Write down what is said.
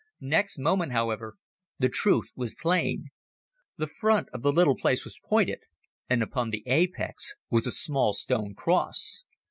Next moment, however, the truth was plain. The front of the little place was pointed, and upon the apex was a small stone cross.